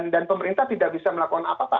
dan pemerintah tidak bisa melakukan apa apa